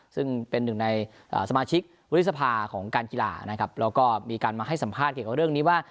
ซึ่งเป็นหนึ่งในสมาชิกวุฒิสภาของการกีฬานะครับแล้วก็มีการมาให้สัมภาษณ์เกี่ยวกับเรื่องนี้ว่า